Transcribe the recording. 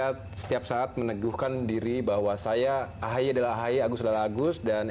akhirnya saya setiap saat meneguhkan diri bahwa saya ahaya adalah ahaya agus adalah agus dan